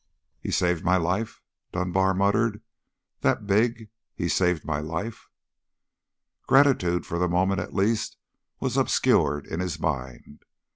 "He saved my life?" muttered Dunbar. "That big He saved my life?" Gratitude, for the moment at least, was obscured in his mind.